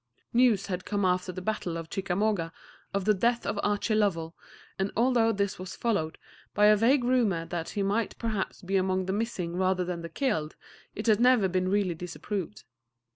News had come after the battle of Chickamauga of the death of Archie Lovell, and although this was followed by a vague rumor that he might perhaps be among the missing rather than the killed, it had never been really disproved.